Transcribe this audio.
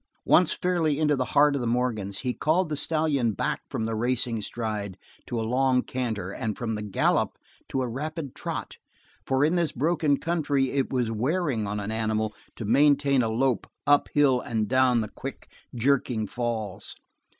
Once fairly into the heart of the Morgans, he called the stallion back from the racing stride to a long canter, and from the gallop to a rapid trot, for in this broken country it was wearing on an animal to maintain a lope up hill and down the quick, jerking falls.